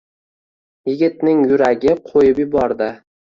Yigitning yuragi qo‘yib yubordi.